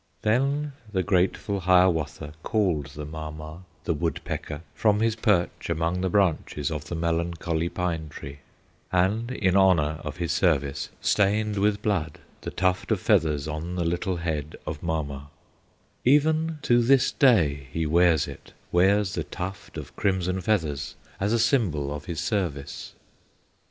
Then the grateful Hiawatha Called the Mama, the woodpecker, From his perch among the branches Of the melancholy pine tree, And, in honor of his service, Stained with blood the tuft of feathers On the little head of Mama; Even to this day he wears it, Wears the tuft of crimson feathers, As a symbol of his service.